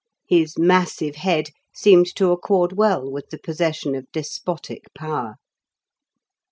His massive head seemed to accord well with the possession of despotic power.